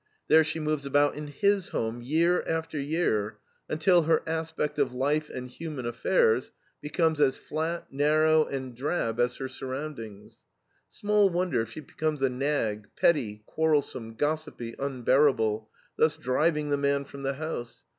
There she moves about in HIS home, year after year, until her aspect of life and human affairs becomes as flat, narrow, and drab as her surroundings. Small wonder if she becomes a nag, petty, quarrelsome, gossipy, unbearable, thus driving the man from the house.